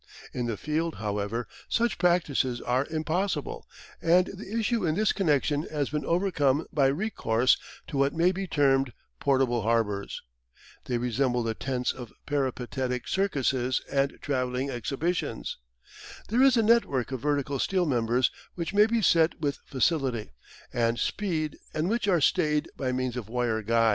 In the field, however, such practices are impossible, and the issue in this connection has been overcome by recourse to what may be termed portable harbours. They resemble the tents of peripatetic circuses and travelling exhibitions. There is a network of vertical steel members which may be set with facility and speed and which are stayed by means of wire guys.